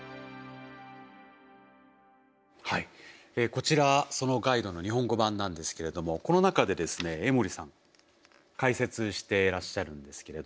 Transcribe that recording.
こちらそのガイドの日本語版なんですけれどもこの中でですね江守さん解説してらっしゃるんですけれど。